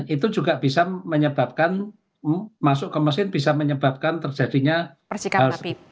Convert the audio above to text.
itu juga bisa menyebabkan masuk ke mesin bisa menyebabkan terjadinya